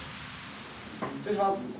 失礼します。